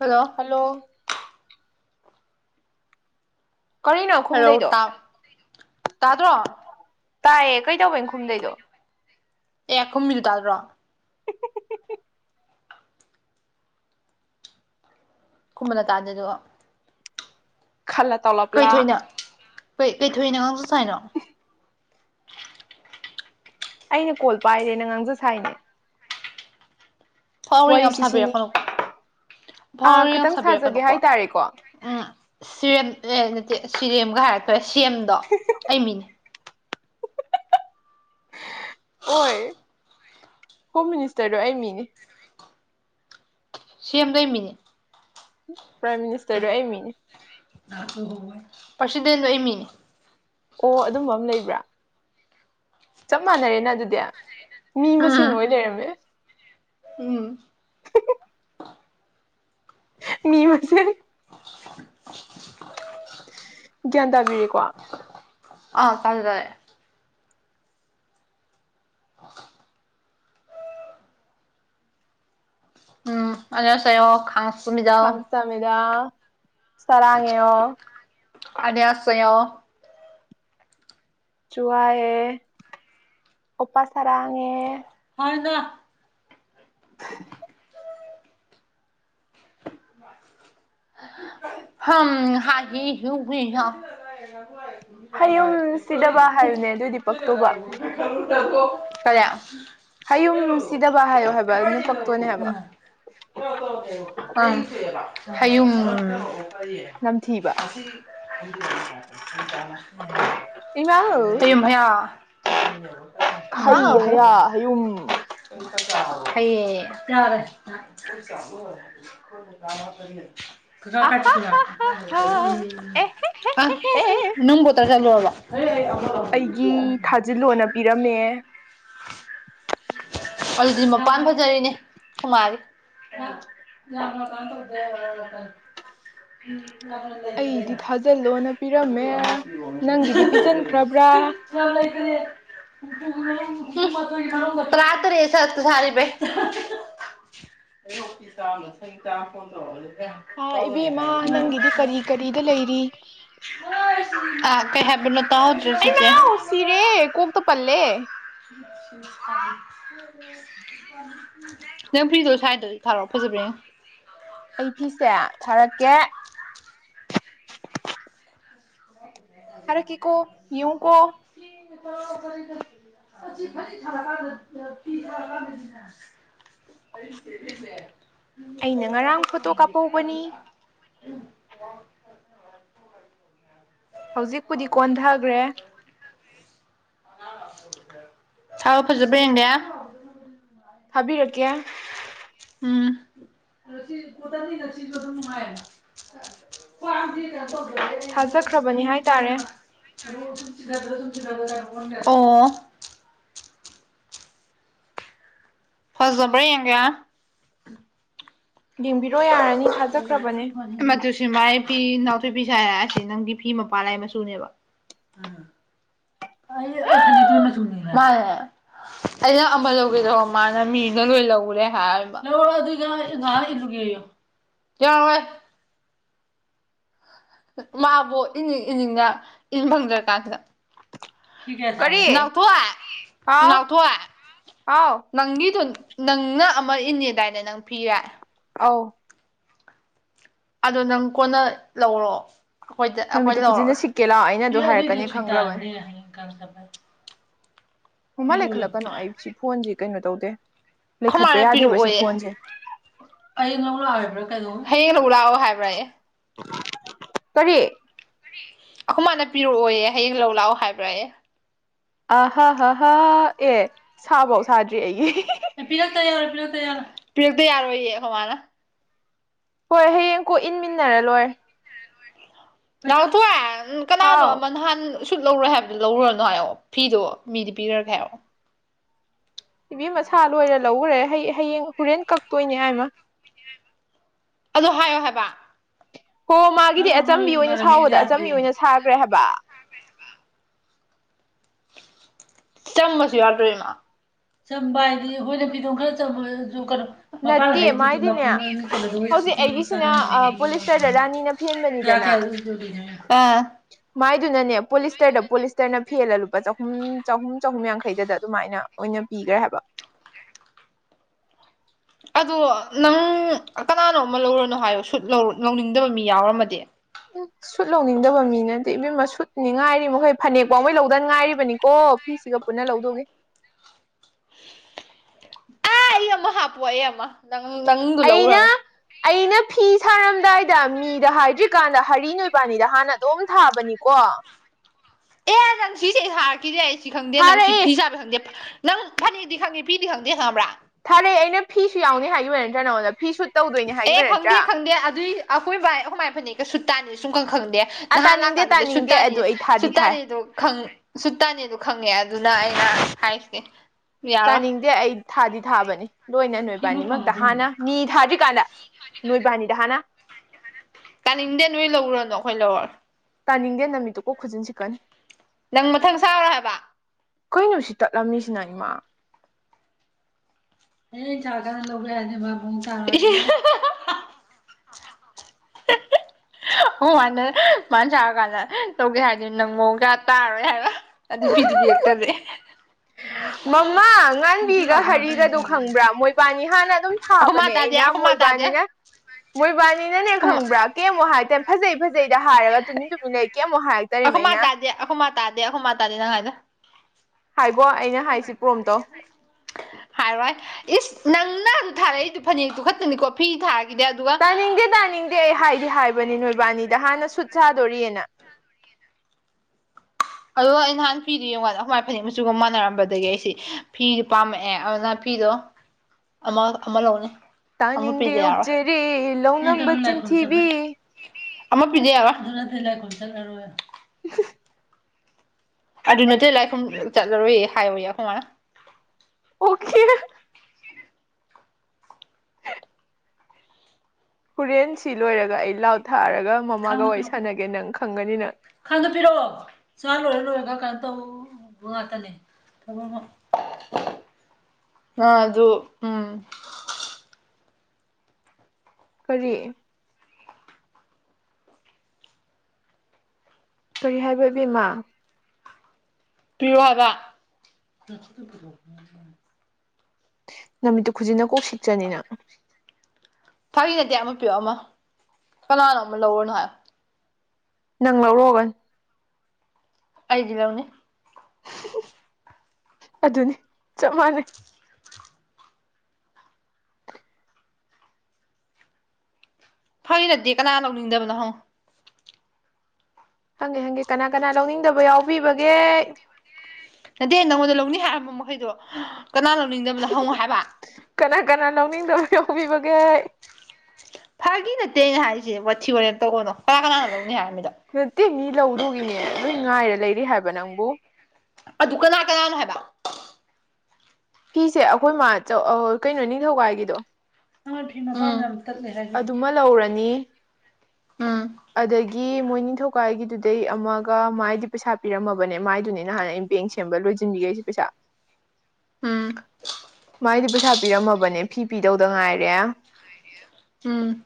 Hello hello ꯀꯔꯤꯅꯣ hello ꯈꯨꯝꯗꯩꯗꯣ ꯇꯥꯗ꯭ꯔꯣ ꯇꯥꯏꯌꯦ ꯀꯩꯗꯧꯕꯦꯅ ꯈꯨꯝꯗꯩꯗꯣ ꯑꯦ ꯑꯈꯨꯝꯕꯤꯗꯨ ꯇꯥꯗ꯭ꯔꯣ [unintelligible] ꯀꯨꯝꯕ ꯅꯇꯥꯗꯗꯣ ꯈꯜꯂ ꯇꯧꯂ ꯀꯩꯊꯣꯏꯅ ꯀꯩ ꯀꯩꯊꯣꯏꯅ ꯉꯥꯡꯆ ꯁꯥꯏꯅꯣ ꯑꯩꯅ ꯀꯣꯜ ꯄꯥꯏꯔꯦ ꯅ ꯉꯥꯡꯖꯦ ꯁꯥꯏꯅꯦ ꯐꯥꯎꯔꯦ ꯌꯥꯝ ꯋꯥꯔꯤꯁꯤ ꯁꯤꯅꯤ ꯁꯥꯕꯤꯔꯛꯀꯅꯨꯀꯣ ꯑ ꯈꯤꯇꯪ ꯁꯥꯖꯒꯦ ꯍꯥꯏꯇꯥꯔꯦꯀꯣ ꯎꯝ ꯁꯤꯔꯦꯝ ꯑꯦ ꯅꯠꯇꯦ ꯁꯤꯔꯦꯝꯒ ꯍꯥꯏꯔꯛꯇꯔꯦ ꯁꯤ ꯑꯝꯗꯣ ꯑꯩ ꯃꯤꯅꯦ ꯍꯣꯏ ꯍꯣꯝ ꯃꯤꯅꯤꯁꯇꯔꯗꯣ ꯑꯩ ꯃꯤꯅꯦ ꯁꯤ ꯑꯦꯃꯗꯣ ꯑꯩ ꯃꯤꯅꯤ ꯄ꯭ꯔꯥꯏꯝ ꯃꯤꯅꯤꯁꯇꯔꯗꯣ ꯑꯩ ꯃꯤꯅꯦ ꯄꯁꯤꯗꯦꯟꯗꯣ ꯑꯩ ꯃꯤꯅꯦ ꯑꯣ ꯑꯗꯨꯝꯕ ꯑꯃ ꯂꯩꯕ꯭ꯔꯥ ꯆꯞ ꯃꯥꯟꯅꯔꯦꯅ ꯑꯗꯨꯗꯤ ꯃꯤ ꯃꯁꯦꯟ ꯎꯝ ꯑꯣꯏ ꯂꯩꯔꯝꯃꯦ ꯎꯝ ꯃꯤ ꯃꯁꯦ ꯒ꯭ꯌꯥꯟ ꯇꯥꯕꯤꯔꯤꯀꯣ ꯑꯥ ꯇꯖꯥꯔꯦ [inaudible] ꯑꯅꯤꯌꯣ ꯁꯩꯌꯣ ꯈꯪꯁꯃꯤꯗ ꯈꯪꯁꯃꯤꯗꯥ ꯁꯔꯥꯉꯣ ꯑꯅꯤꯌꯥꯁꯣ ꯁꯩꯌ ꯆꯨꯋꯥ ꯑꯦ ꯑꯣꯄꯥ ꯆꯔꯉ ꯑꯦ [unintelligible] [unintelligible] ꯍꯝ [unintelligible] ꯍꯌꯨꯝ ꯁꯤꯗꯕ ꯍꯥꯏꯌꯨꯅꯦ ꯑꯗꯨꯏꯗꯤ ꯄꯛꯛꯇꯣꯧꯕ ꯀꯔꯤ ꯍꯌꯨꯝ ꯁꯤꯗꯕ ꯍꯥꯏꯌꯣ ꯍꯥꯏꯕ ꯑꯗꯨꯅ ꯄꯛꯇꯣꯏꯅꯦ ꯍꯥꯏꯕ ꯑ ꯅꯝꯊꯤꯕ ꯍꯌꯨꯝ [unintelligible] ꯏꯃꯥ ꯍꯥꯌꯨꯝ ꯍꯩ ꯍꯌꯥ ꯍꯌꯨꯝ ꯍꯩꯌꯥ ꯍꯌꯦ ꯌꯥꯔꯦ ꯀꯖ ꯀꯥꯏ ꯆ ꯑꯍꯥ ꯍꯥ ꯇꯂ ꯍꯥ ꯍꯥ ꯑ ꯍꯦ ꯍꯦ ꯑꯦꯍꯦ ꯅꯒꯣ ꯇ꯭ꯔ ꯆꯂꯣꯜꯕ ꯑꯦ ꯑ ꯑꯩꯒꯤ ꯊꯥꯖꯤꯜꯣꯅ ꯄꯤꯔꯝꯃꯦ ꯍꯧꯜꯗꯤ ꯃꯄꯥꯟ ꯐꯖꯔꯤꯅꯦ ꯈꯨꯃꯥꯔꯤ ꯑ ꯌꯥꯝ ꯂ ꯀꯅ ꯇꯧꯗꯀ ꯑꯩꯗꯤ ꯊꯥꯖꯤꯜꯂꯣꯅ ꯄꯤꯔꯝꯃꯦ ꯅꯪꯒꯤꯗꯤ ꯄꯤꯖꯟꯈ꯭ꯔꯕ꯭ꯔꯥ [unintelligible] ꯆ ꯂꯩꯗꯒꯤꯅꯦ ꯔꯇꯔꯦ ꯁꯠꯇ ꯁꯔꯤ ꯄꯩ ꯑꯦ ꯑꯣ ꯆꯥꯅ ꯁ ꯆꯥ ꯐꯗ꯭ꯔꯣ ꯍꯥ ꯑꯣ ꯎ ꯏꯕꯦꯝꯃ ꯅꯪꯒꯤꯗꯤ ꯀꯔꯤ ꯀꯔꯤꯗ ꯂꯩꯔꯤ ꯑ ꯀꯩ ꯍꯥꯏꯦꯕ ꯅ ꯇ ꯍꯧꯗ꯭ꯔꯁꯤꯁꯦ ꯁꯤꯤꯔꯦ ꯀꯣꯝꯇ ꯄꯜꯂꯦ ꯍ ꯅꯪ ꯐ꯭ꯔꯤꯗꯣ ꯁꯥꯏꯗꯗꯤ ꯊꯥꯔꯛ ꯐꯖꯕ꯭ꯔꯦꯅꯦ ꯑꯩ ꯐꯤꯁꯦ ꯊꯥꯔꯛꯀꯦ ꯐꯔꯦ ꯀ ꯀꯣ ꯌꯎ ꯀꯣ [inaudible] ꯆꯔꯤ [unintelligible] [inaudible] ꯐ ꯊꯔꯗ ꯄ ꯊꯔꯗ [unintelligible] [inaudible] ꯀ ꯀꯔꯤꯗꯦ [unintelligible] [inaudible] ꯑꯩꯅ ꯉꯔꯥꯡ ꯐꯣꯇꯣ ꯀꯥꯞꯍꯧꯕꯅꯤ ꯍꯧꯖꯤꯛꯄꯨꯗꯤ ꯀꯣꯟꯊꯈ꯭ꯔꯦ ꯊꯥꯎ ꯐꯖꯕ꯭ꯔꯥ ꯌꯦꯡꯒꯦ ꯊꯥꯕꯤꯔꯛꯀꯦ ꯎꯝ ꯀꯅꯨꯡꯉ [unintelligible] [inaudible] ꯄ ꯀ ꯔꯦ ꯊꯥꯖꯈ꯭ꯔꯕꯅꯤ ꯍꯥꯏꯇꯥꯔꯦ ꯏ ꯑꯣ ꯐꯁꯕ꯭ꯔ ꯌꯥꯡ ꯌꯦꯡꯕꯤꯔꯣ ꯌꯥꯔꯅꯤ ꯊꯥꯖꯈ꯭ꯔꯕꯅꯦ ꯑꯗꯨ ꯁꯤ ꯃꯥꯏ ꯐꯤ ꯅꯥꯎꯊꯣꯏ ꯐꯤꯁ ꯍꯥꯏꯔꯁꯤ ꯅꯪꯒꯤ ꯐꯤ ꯃꯄꯥꯥꯟ ꯂꯩ ꯃꯆꯨꯅꯦꯕ ꯎ ꯑꯩ ꯑꯩ ꯐꯅꯦꯛꯛꯇꯣꯏ ꯃꯆꯨꯅꯤ ꯑꯩꯅ ꯑꯃ ꯂꯧꯒꯦꯗ ꯇꯧꯕ ꯃꯥꯅ ꯃꯤꯅ ꯂꯣꯏ ꯂꯧꯔꯦ ꯍꯥꯏ ꯉ ꯏꯔꯒꯤꯣ ꯀꯦ ꯃꯥꯕꯨ ꯏꯅꯤꯡ ꯏꯅꯤꯡꯅ ꯏꯟ ꯐꯪꯗ꯭ꯔ ꯀꯥꯟꯁꯤꯗ ꯀꯔꯤ ꯅꯥꯎ ꯊꯣꯏ ꯍꯥꯎ ꯅꯥꯑꯣ ꯊꯣꯏ꯫ ꯍꯥꯎ ꯅꯪꯒꯤꯗꯣ ꯅꯪꯅ ꯑꯃ ꯏꯅꯦꯗꯥꯏꯅꯦ ꯅꯪ ꯐꯤꯔꯦ ꯑꯧ ꯑꯗꯣ ꯅꯪ ꯀꯣꯟꯅ ꯂꯧꯔꯣ ꯑꯩꯈꯣꯏꯗ ꯑꯩꯈꯣꯏ ꯅꯨꯃꯤꯠꯇꯨ ꯈꯨꯖꯤꯟꯅ ꯂꯧꯔꯒ ꯁꯤꯛꯀꯦ ꯂꯥꯎ ꯑꯩꯅ ꯑꯗꯨ ꯍ ꯑꯗꯨꯑꯣꯏꯗꯤ ꯍꯥꯏꯔꯛꯀꯅꯤ ꯁꯨ ꯈꯪꯈ꯭ꯔꯕꯅꯤ ꯇꯥꯔ ꯍꯌꯦꯡꯀꯄ [unintelligible] ꯃꯃ ꯂꯩꯈꯠꯂꯛꯀꯅꯣ ꯑꯩ ꯁꯤ ꯐꯣꯟꯁꯤ ꯀꯩꯅꯣ ꯇꯧꯗꯦ ꯈꯣꯏꯃꯥꯅ ꯂꯩꯈꯠꯄ ꯌꯥꯗꯦꯕ ꯁꯤ ꯄꯤꯔꯛꯑꯣꯌꯦ ꯐꯣꯟꯁꯦ ꯍꯌꯦꯡ ꯂꯧ ꯂꯥꯛꯑꯣꯕ꯭ꯔꯥ ꯀꯩꯅꯗꯣ ꯍꯌꯦꯡ ꯂꯧ ꯂꯥꯛꯑꯣ ꯍꯥꯏꯕ꯭ꯔꯥ ꯑꯦ ꯀꯔꯤ ꯑꯩꯈꯣꯏ ꯃꯥꯅ ꯄꯤꯔꯛꯑꯣꯌꯦ ꯍꯌꯦꯡ ꯂꯧ ꯂꯥꯛꯑꯣ ꯍꯥꯏꯕ꯭ꯔꯥ ꯑꯦ ꯑ ꯍ ꯍꯥ ꯍꯥꯥ ꯑꯦ ꯁꯥꯕꯧ ꯁꯥꯗ꯭ꯔꯤ ꯑꯩꯒꯤ ꯑꯦ ꯄꯤꯔꯛꯇ ꯌꯥꯔꯣꯏ ꯄꯤꯔꯛꯇ ꯌꯥꯔꯣꯏ ꯄꯤꯔꯛꯇ ꯌꯥꯔꯣꯏꯌꯦ ꯍꯃꯅ ꯍꯣꯏ ꯍꯌꯦꯡ ꯀꯣꯛ ꯏꯟꯃꯤꯟꯅꯔ ꯂꯣꯏꯔꯦ ꯅꯥꯎꯊꯑꯦ ꯀꯅꯥꯅꯣ ꯍꯥꯎ ꯑꯃ ꯅꯍꯥꯟ ꯁꯨꯠ ꯂꯧꯔꯣꯏ ꯍꯥꯏꯕꯗꯨꯣ ꯂꯧꯔꯨꯔꯅꯨ ꯍꯥꯏꯔꯛꯑꯣ ꯐꯤꯗꯣ ꯃꯤꯗꯤ ꯄꯤꯔꯒꯦ ꯍꯥꯏꯔꯛꯑꯣ ꯇꯤꯚꯤ ꯃꯁꯥ ꯂꯣꯏꯔ ꯂꯧꯈꯔꯦ ꯍꯌꯦꯡ ꯍꯣꯔꯦꯟ ꯀꯛꯇꯣꯏꯅꯦ ꯍꯥꯏꯃ ꯑꯗꯣ ꯍꯥꯏꯌꯣ ꯍꯥꯏꯕ ꯍꯣ ꯃꯥꯒꯤꯗꯤ ꯂꯧꯔꯨꯔꯅꯨ ꯅꯣꯏ ꯑꯆꯝꯕꯤ ꯑꯣꯏꯅ ꯏꯃꯥꯟꯅꯕꯤꯅ ꯁꯥꯎꯕꯗ ꯑꯆꯝꯕꯤ ꯌꯥꯗ꯭ꯔꯦꯌꯦ ꯑꯣꯏꯅ ꯁꯥꯈ꯭ꯔꯦ ꯍꯥꯏꯕ ꯆꯝꯕꯁꯨ ꯌꯥꯗꯣꯏꯃ ꯆꯝꯕ ꯍꯥꯏꯗꯤ ꯑꯩꯈꯣꯏꯅ ꯐꯤꯗꯣꯝ ꯈꯔ ꯆꯝꯕꯁꯨ ꯀꯩꯅꯣ ꯃꯄꯥꯥꯟ ꯅꯠꯇꯦ ꯍꯩꯗꯨꯗꯤ ꯃ ꯃꯥꯏꯗꯤꯅꯦ ꯍꯧꯖꯤꯛ ꯀꯗꯖꯤꯁꯨꯇ ꯑꯩꯒꯤꯁꯤꯅ ꯑ ꯆꯥꯟꯅꯔꯝꯃꯦꯗ ꯄꯣꯂꯤꯁꯇꯔꯗ ꯔꯥꯅꯤꯅ ꯌꯥ ꯐꯦꯟꯕꯅꯤꯗꯅ ꯀꯌꯥ [unintelligible] [inaudible] ꯃꯥꯏꯗꯨꯅꯅꯦ ꯄꯣꯂꯤꯁꯇꯔꯗ ꯄꯣꯂꯤꯁꯇꯔꯅ ꯐꯦꯜꯂ ꯂꯨꯄꯥ ꯆꯍꯨꯝ ꯆꯍꯨꯝ ꯆꯍꯨꯝ ꯌꯥꯡꯈꯩꯗꯗ ꯑꯗꯨꯃꯥꯏꯅ ꯑꯣꯏꯅ ꯄꯤꯈ꯭ꯔꯦ ꯍꯥꯏꯕ ꯑꯗꯣ ꯅꯪ ꯀꯅꯥꯅꯣ ꯑꯃ ꯂꯧꯔꯅꯨ ꯍꯥꯏꯌꯣ ꯁꯨꯠ ꯂꯧꯅꯤꯡꯗꯕ ꯃꯤ ꯌꯥꯎꯔꯝꯃꯗꯤ ꯎ [unintelligible] [inaudible] ꯁꯨꯠ ꯂꯧꯅꯤꯡꯗꯕ ꯃꯤꯅꯠꯇꯦ ꯏꯕꯦꯝꯃ ꯁꯨꯠꯅꯤꯡꯉꯥꯏꯔꯤ ꯃꯈꯣꯏ ꯐꯅꯦꯛ ꯐꯥꯎꯉꯩ ꯂꯧꯗꯅꯤ ꯉꯥꯏꯔꯤꯕꯅꯤꯀꯣ ꯐꯤꯁꯤꯒ ꯄꯨꯟꯅ ꯂꯧꯗꯧꯒꯦ ꯑꯥ ꯑꯩ ꯑꯃ ꯍꯥꯞꯄꯨ ꯑꯩ ꯑꯃ ꯅꯪ ꯅꯪꯗꯨ ꯑꯩꯅ ꯂꯧꯔꯅꯨ ꯑꯩꯅ ꯐꯤ ꯁꯥꯔꯝꯗꯥꯏꯗ ꯃꯤꯗ ꯍꯥꯏꯗ꯭ꯔꯤꯀꯥꯟꯗ ꯍꯔꯤ ꯅꯣꯏꯕꯥꯅꯤꯗ ꯍꯥꯟꯅ ꯑꯗꯨꯝ ꯊꯥꯕꯅꯤꯀꯣ ꯑꯦ ꯅꯪ ꯁꯤꯁꯦ ꯑꯩ ꯁꯥꯔꯛꯈꯤꯗꯦ ꯑꯩ ꯁꯤ ꯈꯪꯗꯦ ꯅꯪ ꯁꯤ ꯊꯥꯔꯛꯏ ꯐꯤ ꯁꯥꯥꯕ ꯈꯪꯗꯦ ꯅꯪ ꯐꯅꯤꯗꯤ ꯈꯪꯉꯤ ꯄꯤꯗꯤ ꯈꯪꯗꯦ ꯈꯪꯉꯕ꯭ꯔꯥ ꯊꯥꯔꯛꯦ ꯑꯩꯅ ꯐꯤꯁꯨ ꯌꯥꯎꯅꯤ ꯍꯥꯏꯒꯤ ꯑꯣꯏ ꯅꯠꯇ꯭ꯔꯥ ꯅꯉꯣꯟꯗ ꯐꯤꯁꯨ ꯑꯦ ꯈꯪꯗꯦ ꯈꯪꯗꯦ ꯑꯗꯨꯏ ꯑꯀꯣꯏꯕ ꯑꯗꯨꯃꯥꯏꯅ ꯐꯅꯦꯛ ꯀꯩ ꯁꯨ ꯇꯥꯅꯤ ꯁꯨꯝ ꯀꯪ ꯈꯪꯗꯦ ꯑ ꯅꯍꯥꯟ ꯇꯥꯅꯤꯡꯗꯦ ꯂꯥꯛꯀꯥꯟꯗꯨꯗ ꯇꯥꯅꯤꯡꯗꯦ ꯁꯨꯇꯥꯅꯤ ꯑꯗꯣ ꯑꯩ ꯊꯥꯗꯤ ꯊꯥꯏ ꯁꯨꯇꯥꯅꯤꯗꯣꯪ ꯁꯨ ꯇꯅꯦꯗ ꯈꯪꯉꯦ ꯑꯗꯨꯅ ꯑꯩꯅ ꯍꯥꯏꯁꯦ ꯌꯥꯔꯣꯏ ꯇꯥꯅꯤꯡꯗꯦ ꯑꯩ ꯊꯥꯗꯤ ꯊꯥꯕꯅꯤ ꯂꯣꯏꯅ ꯅꯣꯏꯕꯥꯅꯤꯃꯛꯇ ꯍꯥꯟꯅ ꯃꯤ ꯊꯥꯗ꯭ꯔꯤꯀꯥꯟꯗ ꯅꯣꯏꯕꯥꯅꯤꯗ ꯍꯥꯟꯅ ꯇꯥꯅꯤꯡꯗꯦ ꯅꯣꯏ ꯂꯧꯔꯅꯣ ꯑꯩꯈꯣꯏ ꯂꯧꯔ ꯇꯥꯅꯤꯡꯗꯦ ꯅꯨꯃꯤꯠꯇꯨ ꯀꯣ ꯈꯨꯖꯤꯟꯁꯤꯀꯟ ꯅꯪ ꯃꯊꯪ ꯁꯥꯎꯔꯣ ꯍꯥꯏꯕ ꯀꯨꯣꯏꯩꯅꯣ ꯁꯤ ꯇꯠꯂꯝꯃꯤꯁꯤꯅ ꯏꯃꯥ ꯑꯦ ꯆꯥ ꯀꯅ ꯂꯧꯧꯕꯦ ꯍꯥꯏꯅꯦꯕꯕꯨꯡ ꯆꯥꯔ [unintelligible] [inaudible] [unintelligible] [inaudible] ꯑꯣ ꯃꯥꯅ ꯃꯥꯅ ꯆꯥꯔ ꯀꯥꯟꯗ ꯇꯧꯒꯦ ꯍꯥꯏꯗꯨꯅꯤ ꯅꯪ ꯃꯑꯣꯡ ꯀꯌꯥ ꯇꯥꯔꯣꯏ ꯍꯥꯏꯔ ꯑꯗꯤ ꯐꯤꯗꯤꯕꯤꯔꯛꯇꯔꯦ ꯃꯃꯥ ꯉꯥꯟꯕꯤꯒ ꯂꯥꯛꯄ ꯉꯥꯛꯇ ꯑꯩꯅ ꯍꯔꯤꯒꯗꯨ ꯁꯥꯔꯤꯁꯦ ꯈꯪꯕ꯭ꯔꯥ ꯃꯣꯏꯕꯥꯅꯤ ꯍꯥꯟꯅ ꯑꯗꯨꯝ ꯑꯈꯣꯏ ꯊꯥꯕ ꯃꯥ ꯇꯥꯗꯦ ꯑꯩꯅ ꯑꯈꯣꯏ ꯃꯥ ꯇꯥꯗꯦ ꯃꯣꯏꯕꯥꯅꯤꯅ ꯃꯣꯏꯕꯥꯅꯤꯅꯅꯦ ꯑꯈꯣꯏ ꯈꯪꯕ꯭ꯔꯥ ꯀꯩꯃꯨꯛ ꯍꯥꯏꯛꯔꯦ ꯐꯖꯩ ꯐꯖꯩꯗ ꯍꯥꯏꯔꯒ ꯇꯨꯃꯤꯟ ꯇꯨꯝꯃꯤꯟ ꯂꯩ ꯀꯩꯃꯨꯛ ꯍꯥꯏꯔꯛꯇꯔꯤ ꯑꯩꯅ ꯑꯈꯣ ꯃꯥꯇꯥꯗꯦ ꯑꯈ ꯃꯥ ꯇꯗꯤꯅ ꯍꯥꯏꯗ ꯍꯥꯏꯕꯣ ꯑꯩꯅ ꯍꯥꯏꯁꯤ ꯄ꯭ꯔꯣꯝꯇꯣ ꯍꯥꯏꯔꯣꯏ ꯏꯁ ꯅꯪꯅ ꯑꯗꯨ ꯊꯥꯔꯛꯏꯗꯨ ꯐꯅꯦꯛꯇꯨ ꯈꯛꯇꯅꯤꯀꯣ ꯐꯤ ꯊꯥꯔꯒꯦ ꯇꯥꯅꯤꯡꯗꯦ ꯇꯥꯅꯤꯡꯗꯦ ꯑꯩ ꯍꯥꯏꯗꯤ ꯍꯥꯏꯕꯅꯦ ꯅꯣꯏꯕꯥꯅꯤꯗ ꯍꯥꯟꯅ ꯁꯨꯠ ꯁꯥꯗꯣꯔꯤꯑꯅ ꯑꯗꯣ ꯑꯩ ꯅꯍꯥꯟ ꯐꯤꯗꯨ ꯌꯦꯡꯀꯥꯟꯗ ꯍꯋꯥꯏ ꯐꯅꯦꯛ ꯃꯆꯨꯒ ꯃꯥꯟꯅꯔꯝꯕꯗꯒꯤ ꯑꯩꯁꯤ ꯐꯤꯗꯨ ꯄꯥꯝꯃꯛꯑꯦ ꯑꯗꯨꯅ ꯅꯨꯄꯤꯗꯣ ꯑꯃ ꯑꯃ ꯂꯧꯅꯤ ꯑꯃ ꯇꯥꯅꯤꯡꯗꯦ ꯄꯤꯖꯔ ꯑꯣꯛꯆꯔꯤ ꯂꯧꯅꯝꯕ ꯂ ꯆꯃꯦ ꯆꯤꯟꯊꯤꯕꯤ ꯑꯃ ꯄꯤꯖꯦ ꯑꯋꯥꯗꯨꯅ ꯊ ꯂꯩ ꯈ ꯆꯔꯦ ꯎ ꯑꯗꯨ ꯅꯠꯇꯦ ꯂꯥꯏꯈꯨꯝ ꯆꯠꯂꯔꯣꯏꯌꯦ ꯍꯥꯏꯌꯣ ꯌꯥ ꯀꯃꯥꯏꯅ ꯑꯣ ꯈꯔ ꯍꯣꯔꯦꯟꯁꯤ ꯂꯣꯏꯔꯒ ꯑꯩ ꯂꯥꯎ ꯊꯛꯔꯒ ꯃꯃꯥꯒ ꯋꯥꯔꯤ ꯁꯥꯟꯅꯒꯦ ꯅꯪ ꯈꯪꯒꯅꯤꯅ ꯈꯟꯗꯣꯛꯄꯤꯔꯛꯑꯣ ꯁꯥ ꯂꯣꯏꯔ ꯂꯣꯏꯔꯒ ꯀꯩꯅꯣ ꯇꯧꯕ ꯉꯥꯛꯇꯅꯦ ꯑ ꯑꯗꯨ ꯑꯗꯨ ꯎꯝ ꯀꯔꯤ ꯀꯔꯤ ꯍꯥꯏꯕ ꯏꯕꯤꯦꯝꯃꯥ ꯇ ꯋꯥꯗ ꯅꯨꯃꯤꯠꯇꯨ ꯈꯨꯖꯤꯟꯅ ꯀꯣꯛ ꯁꯤꯛꯆꯅꯤꯅ ꯐꯥꯒꯤꯅꯗꯤꯦ ꯑꯃ ꯄꯤꯌꯣ ꯑꯃ ꯀꯅꯥꯅꯣ ꯑꯃ ꯂꯧꯔꯅꯣ ꯍꯥꯏ ꯅꯪ ꯂꯧꯔꯛꯑꯣꯒ ꯑꯩꯗꯤ ꯂꯎꯅꯦ ꯑꯗꯨꯅꯤ ꯆꯞ ꯃꯥꯟꯅꯩ ꯐꯩ ꯅꯠꯇꯦ ꯀꯅꯥ ꯂꯧꯅꯤꯡꯗꯕꯅꯣꯍꯪ ꯍꯪꯒꯦ ꯍꯪꯒꯦ ꯀꯅꯥ ꯀꯅꯥ ꯂꯧꯅꯤꯡꯗꯕ ꯌꯥꯎꯕꯤꯕꯒꯦ ꯅꯠꯇꯦ ꯅꯪꯉꯣꯟꯗ ꯂꯧꯅꯤꯡ ꯍꯥꯏꯔꯤꯕ ꯃꯈꯩꯗꯣ ꯀꯅꯥ ꯂꯧꯅꯤꯡꯗꯕꯅꯣ ꯍꯪꯉꯣ ꯍꯥꯏꯕ ꯀꯅꯥ ꯀꯅꯥ ꯂꯧꯅꯤꯡꯗꯕ ꯌꯥꯎꯤꯕꯒꯦ ꯐꯥꯒꯤ ꯅꯠꯇꯦꯅ ꯍꯥꯏꯔꯤꯁꯦ ꯋꯥꯊꯤ ꯍꯣꯔꯦꯅ ꯇꯧꯕꯅꯣ ꯀꯔꯥ ꯀꯅꯥꯅ ꯂꯧꯅꯤ ꯍꯥꯏꯔꯃꯤꯗꯣ ꯅꯠꯇꯦ ꯃꯤ ꯂꯧꯗꯨꯒꯤꯅꯦ ꯂꯣꯏ ꯉꯥꯏꯔ ꯂꯩꯔꯤ ꯍꯥꯏꯕ ꯅꯪꯕꯨ ꯑꯗꯨ ꯀꯅꯥ ꯀꯅꯥꯅꯣ ꯍꯥꯏꯕ ꯐꯤꯁꯦ ꯑꯩꯈꯣꯏ ꯃꯥ ꯀꯩꯅꯣ ꯅꯤꯡꯊꯧꯀꯥꯏꯒꯤꯗꯣ ꯑꯦꯡꯅ ꯑꯗꯨꯃ ꯂꯧꯔꯅꯤ ꯎꯝ ꯑꯗꯒꯤ ꯃꯣꯏ ꯅꯤꯡꯊꯧꯀꯥꯏꯒꯤꯗꯨꯗꯩ ꯑꯃꯒ ꯃꯥꯏꯗꯤ ꯄꯩꯁꯥ ꯄꯤꯔꯝꯃꯕꯅꯦ ꯃꯥꯏꯗꯨꯅꯦ ꯅꯍꯥꯟ ꯑꯩ ꯕꯦꯡ ꯁꯦꯝꯕ ꯂꯣꯏꯁꯤꯟꯕꯤꯈꯩꯁꯤ ꯄꯁꯥ ꯍ ꯃꯥꯏꯗꯤ ꯄꯩꯁꯥ ꯄꯤꯔꯝꯃꯕꯅꯦ ꯐꯤ ꯄꯤꯗꯧꯗ ꯉꯥꯏꯔꯦ ꯎꯝ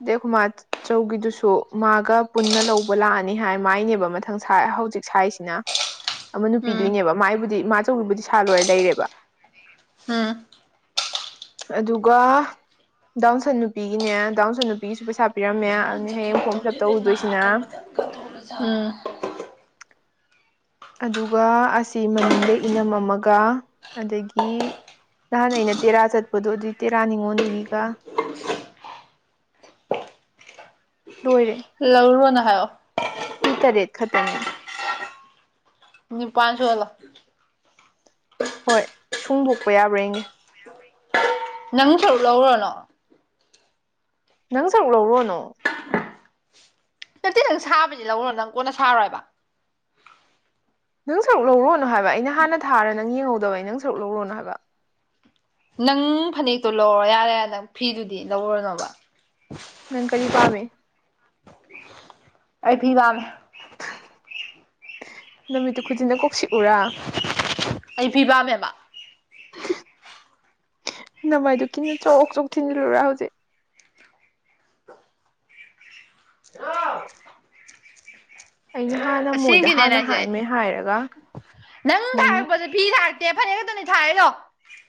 ꯗ ꯃꯥ ꯆꯧꯒꯤꯗꯨꯁꯨ ꯃꯥꯒ ꯄꯨꯟꯅ ꯂꯧꯕ ꯂꯥꯛꯑꯅꯤ ꯍꯥꯏ ꯃꯥꯏꯅꯦꯕ ꯃꯊꯪ ꯍꯧꯖꯤꯛ ꯁꯥꯏꯁꯤꯅ ꯑꯃ ꯎꯝ ꯅꯨꯄꯤꯗꯣꯏꯅꯦꯕ ꯃꯥꯏꯕꯨꯗꯤ ꯃꯥ ꯑꯆꯧꯕꯕꯨꯗꯤ ꯁꯥ ꯂꯣꯏꯔ ꯂꯩꯔꯦꯕ ꯎꯝ ꯑꯗꯨꯒ ꯗꯥꯎꯟꯁꯟ ꯅꯨꯄꯤꯒꯤꯅꯦ ꯗꯥꯎꯟꯁꯨ ꯅꯨꯄꯤꯒꯤꯁꯨ ꯄꯩꯁꯥ ꯄꯤꯔꯝꯃꯦ ꯑꯗꯨꯅꯦ ꯍꯌꯦꯡ ꯐꯣꯔꯝ ꯐꯤꯜ ꯑꯞ ꯇꯧꯨꯗꯣꯏꯁꯤꯅ ꯑꯝ ꯑꯗꯨꯒ ꯑꯁꯤ ꯃꯅꯤꯡꯗ ꯏꯅꯝ ꯑꯃꯒ ꯑꯗꯒꯤ ꯅꯍꯥꯟ ꯑꯩꯅ ꯇꯦꯔꯥ ꯆꯠꯄꯗꯣ ꯑꯗꯨꯏ ꯇꯦꯔꯥ ꯅꯤꯉꯣꯜꯗꯨꯒꯤꯒ ꯂꯣꯏꯔꯦ ꯂꯧꯔꯣꯅ ꯍꯥꯏꯔ ꯐꯤ ꯇꯔꯦꯠ ꯈꯛꯇꯅꯦ ꯃꯤ ꯄ ꯁ ꯋꯥꯂ ꯍꯣꯏ ꯁꯨꯡꯗꯣꯛꯄ ꯌꯥꯕ꯭ꯔꯥꯡꯒꯦ ꯅꯪ ꯁꯔꯨꯛ ꯂꯧꯔꯅꯣ ꯅꯪ ꯁꯔꯨꯛ ꯂꯧꯔꯣꯅꯣ ꯁꯤ ꯅꯪ ꯁꯥꯕꯁꯤ ꯂꯧꯔꯣ ꯅꯪ ꯀꯣꯟꯅ ꯁꯥꯔꯣꯏꯕ ꯅꯪ ꯁꯔꯨꯛ ꯂꯧꯔꯣꯅꯨ ꯍꯥꯏꯕ ꯑꯩꯅ ꯍꯥꯟꯅ ꯊꯥꯔ ꯅꯪ ꯌꯦꯡꯍꯧꯗꯕꯩ ꯅꯪ ꯁꯔꯛ ꯂꯧꯔꯣꯅꯨ ꯍꯥꯏꯕ ꯅꯪ ꯐꯅꯦꯛꯇꯣ ꯂꯧꯔꯣ ꯌꯥꯔꯦ ꯅꯪ ꯐꯤꯗꯨꯗꯤ ꯂꯧꯔꯅꯣꯕ ꯅꯪ ꯀꯔꯤ ꯄꯥꯝꯃꯦ ꯑꯩ ꯊꯤ ꯇꯥꯃꯦ ꯅꯨꯃꯤꯠꯇꯨ ꯈꯨꯖꯤꯟꯅ ꯀꯣꯛꯁꯤꯛꯎꯔꯥ ꯑꯩ ꯄꯤꯕꯝꯃꯦꯕ ꯅꯃꯥꯏꯗꯨꯣ ꯤꯟꯅ ꯆꯣꯛ ꯆꯣꯛ ꯊꯤꯟꯜꯂꯨꯔꯥ ꯍꯧꯖꯤꯛ ꯍꯂ ꯑ ꯑꯁꯦꯡꯒꯤꯅꯦꯅ ꯍꯥꯏꯁꯦ ꯅꯪ ꯃꯣꯏꯅ ꯍꯥꯏꯔꯛꯄꯁꯦ ꯐꯤ ꯂꯥꯥꯛꯇꯦ ꯐꯔ ꯑꯗꯨꯅꯤ ꯊꯥꯏꯔꯣ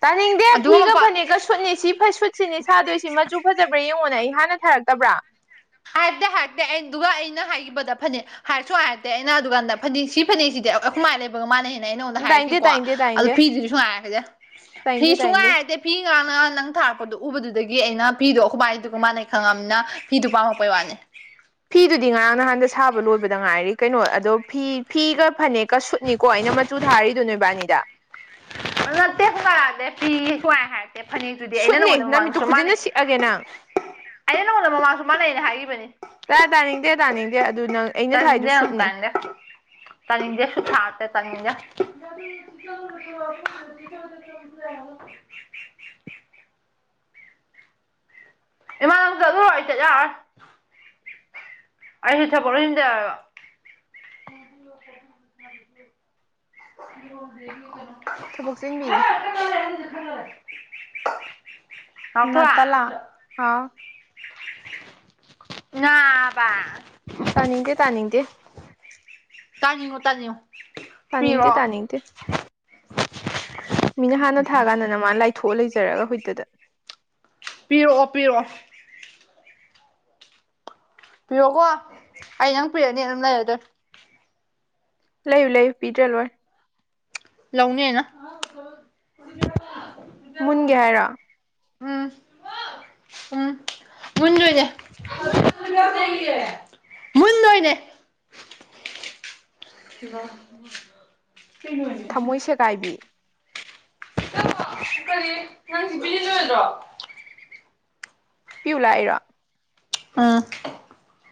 ꯇꯥꯅꯤꯡꯗꯦ ꯐꯤꯒ ꯐꯅꯦꯛꯒ ꯁꯨꯠꯅꯤ ꯁꯤ ꯐꯩ ꯁꯨ ꯁꯤꯅꯤ ꯁꯥꯗꯣꯏꯁꯤ ꯃꯆꯨ ꯐꯖꯕ꯭ꯔꯥ ꯌꯦꯡꯉꯣꯅꯦ ꯑꯩ ꯍꯥꯟꯅ ꯊꯔꯛꯇꯕ꯭ꯔꯥ ꯍꯥꯏꯇꯦ ꯍꯥꯏꯇꯦ ꯑꯩꯅ ꯑꯗꯨꯒ ꯑꯩꯅ ꯍꯥꯏꯈꯤꯕꯗ ꯐꯅꯦꯛ ꯍꯥꯏꯁꯨ ꯍꯥꯏꯔꯛꯇꯦ ꯑꯩꯅ ꯑꯗꯨꯀꯥꯟꯗ ꯐꯅꯦꯛ ꯁꯤ ꯐꯅꯦꯛꯁꯤꯗꯤꯥꯏ ꯂꯩ ꯃꯥꯟꯅꯦꯩꯅ ꯑꯩ ꯅꯉꯣꯟꯗ ꯇꯥꯏꯅꯤꯡꯗꯦ ꯍꯥꯏꯔꯛꯈꯤꯀꯣ ꯇꯥꯏꯅꯤꯡꯗꯦ ꯑꯗꯨ ꯇꯥꯏꯅꯤꯡꯗꯦ ꯐꯤꯗꯨꯗꯤ ꯁꯨꯡꯉꯥꯏꯔꯛꯁꯦ ꯐꯤ ꯇꯥꯏꯅꯤꯡꯗꯦ ꯁꯨꯡ ꯇꯥꯏꯅꯤꯡꯗꯦ ꯉꯥꯏꯔꯦ ꯐꯤ ꯉꯥꯅ ꯅꯪ ꯊꯥꯔꯛꯄꯗꯣ ꯎꯕꯗꯨꯗꯒꯤ ꯑꯩꯅꯤꯗ ꯑꯩꯈꯃꯥꯏꯗꯨꯒ ꯃꯥꯥꯟꯅꯩ ꯈꯪꯉꯝꯃꯤꯅ ꯐꯤꯗꯨꯣ ꯄꯥꯝꯃ ꯑꯩꯈꯣꯏ ꯋꯥꯅꯤ ꯐꯤꯗꯨꯗꯤ ꯉꯔꯥꯡ ꯅꯍꯥꯟꯗ ꯁꯥꯕ ꯂꯣꯏꯕꯗ ꯉꯥꯏꯔꯤ ꯀꯩꯅꯣ ꯑꯗꯣ ꯐꯤ ꯐꯤꯒ ꯐꯅꯦꯛꯀ ꯅꯤꯀꯣ ꯑꯩꯅ ꯃꯆꯨ ꯊꯥꯔꯤꯗꯨꯣ ꯅꯣꯏ ꯏꯕꯥꯅꯤꯗ ꯅꯦ ꯐ ꯀꯗꯦ ꯐꯤ ꯀꯋꯥ ꯍꯥꯏ ꯑꯦ ꯐꯅꯦꯦꯛꯛꯇꯨꯗꯤ ꯑꯩꯅ ꯁꯨꯠꯅꯤ ꯅꯪꯉꯣꯟꯗ ꯅꯃꯤꯠꯇꯨ ꯃꯃꯥꯡꯗꯁꯨ ꯈꯨꯖꯤꯟꯅ ꯃꯥꯥꯟꯅꯩ ꯁꯤꯛꯑꯒꯦ ꯅꯪ ꯑꯩꯅ ꯅꯪꯉꯣꯟꯗ ꯃꯃꯥꯡꯁꯨ ꯃꯥ ꯂꯩꯅꯦ ꯍꯥꯏꯈꯤꯕꯅꯤ ꯇꯥ ꯇꯥꯅꯤꯡꯗꯦ ꯇꯥꯅꯤꯡꯗꯦ ꯑꯗꯨ ꯅꯪ ꯑꯩꯅ ꯊꯥꯏꯗꯨ ꯇꯟꯒꯦ ꯁꯨꯠꯅꯤ ꯇꯒꯦ ꯇꯅꯤꯡꯖꯁꯨ ꯊꯦ ꯇꯉꯖ [inaudible] ꯏꯃꯒ ꯑꯗꯨꯔ ꯍꯥꯏꯥꯏꯇꯂ ꯑꯩ ꯏ ꯊ ꯄꯔꯁꯤꯗ [inaudible] ꯊꯕꯛ ꯆꯤꯟꯕꯤꯅꯦ [inaudible] ꯅꯠꯇꯂꯥ ꯍꯥꯎ ꯉꯕ ꯇꯥꯅꯤꯡꯗꯦ ꯇꯥꯅꯤꯡꯗꯦ ꯇꯥꯅꯤꯣ ꯇꯥꯅꯤꯣ ꯇꯥꯅꯤꯡ ꯅꯤꯡꯇꯦ ꯇꯥꯅꯤꯡꯇꯦ ꯃꯤꯅ ꯍꯥꯟꯅ ꯊꯥ ꯀꯥꯟꯗꯅ ꯃꯥ ꯂꯥꯏꯊꯣꯛꯑꯒ ꯂꯩꯖꯔꯒ ꯍꯨꯏꯠꯇꯨꯗ ꯄꯤꯔꯛꯑꯣ ꯄꯤꯔꯛꯑꯣ ꯄꯤꯔꯣꯀꯣ ꯑꯩ ꯅꯪ ꯄꯤꯔꯅꯤ ꯑꯗꯨꯝ ꯂꯩꯔꯗꯣꯏ ꯂꯩꯌꯨ ꯂꯩꯌꯨ ꯄꯤꯗ꯭ꯔ ꯂꯣꯏ ꯂꯥꯎꯅꯤꯅ ꯃꯨꯟꯒꯦ ꯍꯥꯏꯔꯣ ꯎꯝ ꯎꯝ ꯃꯟꯖꯨꯗꯦ ꯃꯟꯗꯣꯏꯅꯦ [unintelligible] ꯊꯃꯣꯏ ꯁꯦꯒꯥꯏꯕꯤ ꯀꯔꯤ ꯀ ꯑꯣꯏꯗ꯭ꯔꯣ ꯄꯤꯌꯨ ꯂꯑꯔꯣ ꯑꯥ